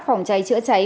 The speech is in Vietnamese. phòng cháy chữa cháy